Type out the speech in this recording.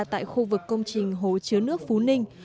tại khu vực công trình hồ chứa nước phú ninh